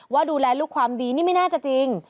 ว่าดูแลลูกความดีนี่ไม่น่าจะจริง